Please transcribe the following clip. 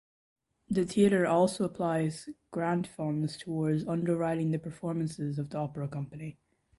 The theater also applies grant funds towards underwriting the performances of the opera company.